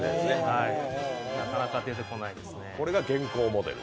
なかなか出てこないですね。